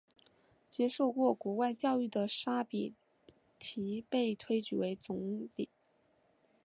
接受过国外教育的沙比提被推举为总理。